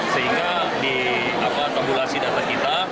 sehingga di tambulasi data kita